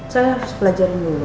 saya harus pelajari dulu